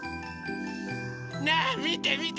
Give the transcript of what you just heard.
ねえみてみて！